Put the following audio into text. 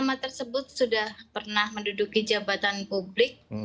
nama tersebut sudah pernah menduduki jabatan publik